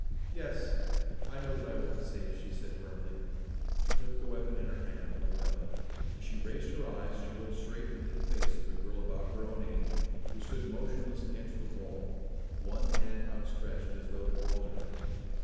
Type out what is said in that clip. "Yes, I know that I will be safe," she said firmly. She took the weapon in her hand and looked up. As she raised her eyes, she looked straight into the face of a girl about her own age, who stood motionless against the wall, one hand outstretched its though to call her.